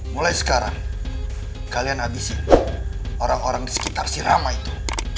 mulai sekarang kalian habisin orang orang di sekitar sirama itu